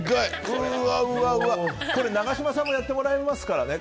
これ、永島さんもやってもらいますからね。